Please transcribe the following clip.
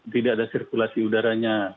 tidak ada sirkulasi udaranya